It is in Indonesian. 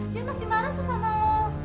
dia masih marah tuh sama lo